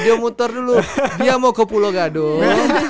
dia muter dulu dia mau ke pulau gadung